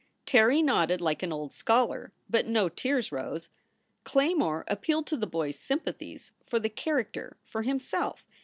Terry nodded like an old scholar. But no tears rose. Claymore appealed to the boy s sympa thies for the character, for himself.